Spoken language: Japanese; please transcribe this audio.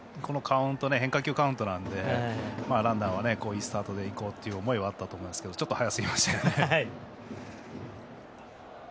変化球カウントなんでランナーはいいスタートでいこうという思いはあったと思いますけどちょっと早すぎましたね。